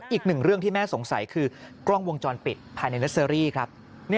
อีกหนึ่งเรื่องที่แม่สงสัยคือกล้องวงจรปิดภายในเนอร์เซอรี่ครับ